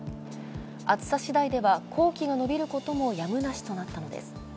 暑さしだいでは工期が延びることもやむなしとなったのです。